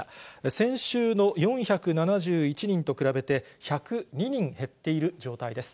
先週の４７１人と比べて、１０２人減っている状態です。